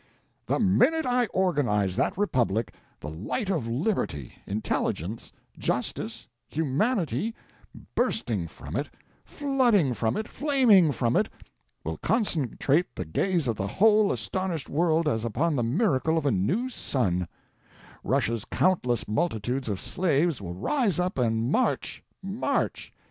"The minute I organize that republic, the light of liberty, intelligence, justice, humanity, bursting from it, flooding from it, flaming from it, will concentrate the gaze of the whole astonished world as upon the miracle of a new sun; Russia's countless multitudes of slaves will rise up and march, march!